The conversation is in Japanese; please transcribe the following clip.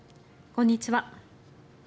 こんにちは。